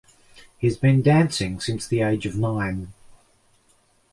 He has been dancing since the age of nine.